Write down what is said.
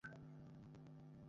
না, কোন আশ্রয়স্থল নেই।